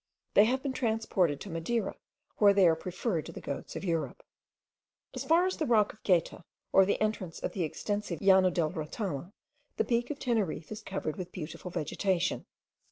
They have been transported to Madeira, where they are preferred to the goats of Europe. As far as the rock of Gayta, or the entrance of the extensive Llano del Retama, the peak of Teneriffe is covered with beautiful vegetation.